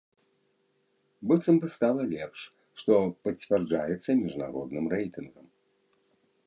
Быццам бы стала лепш, што пацвярджаецца міжнародным рэйтынгам.